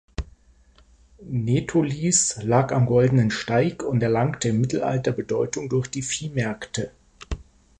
Netolice lag am Goldenen Steig und erlangte im Mittelalter Bedeutung durch die Viehmärkte.